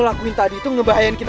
lan lu mau ngapain sih